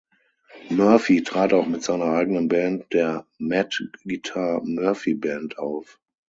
Murphy trat auch mit seiner eigenen Band, der "Matt „Guitar“ Murphy Band", auf.